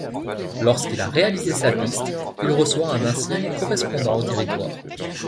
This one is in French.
Lorsqu'il a réalisé sa piste, il reçoit un insigne correspondant au territoire.